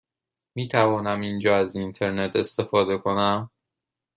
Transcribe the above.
می توانم اینجا از اینترنت استفاده کنم؟